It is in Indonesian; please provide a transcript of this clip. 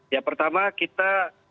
ya pertama kita